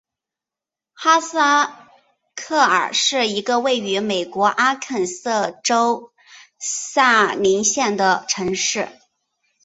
哈斯克尔是一个位于美国阿肯色州萨林县的城市。